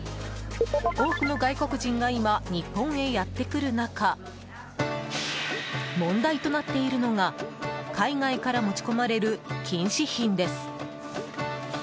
多くの外国人が今、日本へやってくる中問題となっているのが海外から持ち込まれる禁止品です。